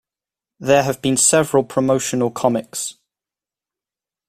There have been several promotional comics.